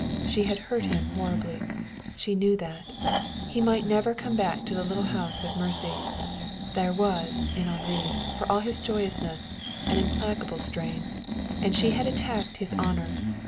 She had hurt him horribly. She knew that. He might never come back to the little house of mercy. There was, in Henri, for all his joyousness, an implacable strain. And she had attacked his honor.